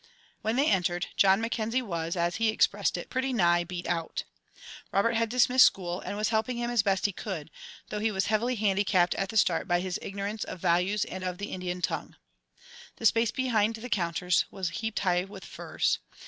When they entered, John Mackenzie was, as he expressed it, "pretty nigh beat out." Robert had dismissed school, and was helping him as best he could, though he was heavily handicapped at the start by his ignorance of values and of the Indian tongue. The space behind the counters was heaped high with furs.